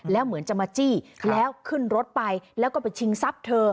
แล้วเหมือนจะมาจี้แล้วขึ้นรถไปแล้วก็ไปชิงทรัพย์เธอ